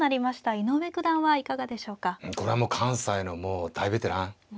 これはもう関西の大ベテラン。